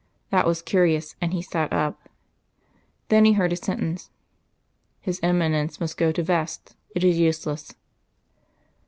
That was curious, and he sat up. Then he heard a sentence. "His Eminence must go to vest; it is useless."